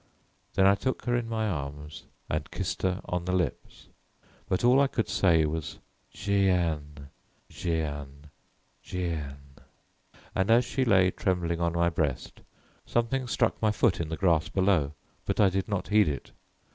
Then I took her in my arms and kissed her on the lips, but all I could say was: "Jeanne, Jeanne, Jeanne." And as she lay trembling on my breast, something struck my foot in the grass below, but I did not heed it.